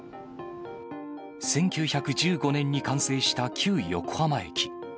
１９１５年に完成した旧横浜駅。